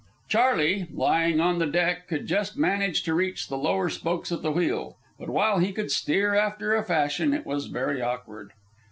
Charley, lying on the deck, could just manage to reach the lower spokes of the wheel; but while he could steer after a fashion, it was very awkward.